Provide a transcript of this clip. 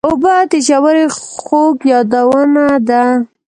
اوبه د روژې خوږ یادونه ده.